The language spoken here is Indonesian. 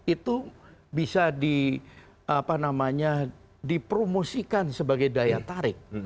itu bisa dipromosikan sebagai daya tarik